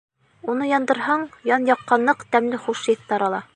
Уны яндырһаң, ян-яҡҡа ныҡ тәмле хуш еҫ тарала.